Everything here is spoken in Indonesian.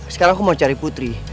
sekarang aku mau cari putri